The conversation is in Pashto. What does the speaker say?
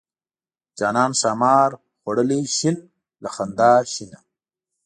جانان ښامار خوړلی شین له خندا شینه.